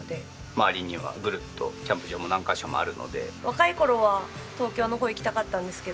周りにはぐるっとキャンプ場も何カ所もあるので。